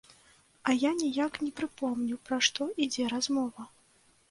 А я ніяк не прыпомню, пра што ідзе размова.